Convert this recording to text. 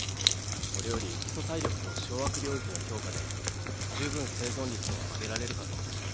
それより基礎体力と掌握領域の強化で十分生存率を上げられるかと。